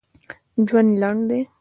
ژوند لنډ دي!